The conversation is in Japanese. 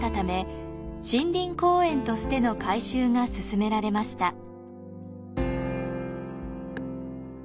森林公園としての改修が進められました。